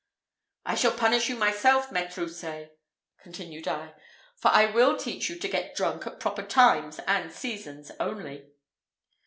"I shall punish you myself, Maître Houssaye," continued I; "for I will teach you to get drunk at proper times and seasons only."